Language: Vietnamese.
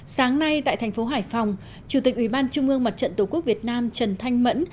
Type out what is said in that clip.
sáng nay tại thành phố hải phòng chủ tịch ủy ban trung ương mặt trận tổ quốc việt nam trần thanh mẫn